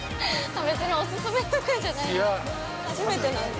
別にお勧めとかじゃないんですね。